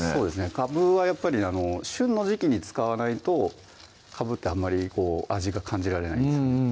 かぶはやっぱり旬の時季に使わないとかぶってあんまり味が感じられないんですよ